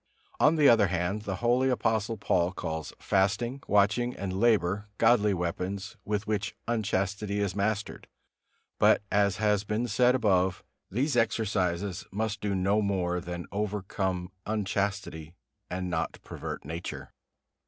On the other hand, the holy Apostle Paul calls fasting, watching and labor godly weapons, with which unchastity is mastered; but, as has been said above, these exercises must do no more than overcome unchastity, and not pervert nature.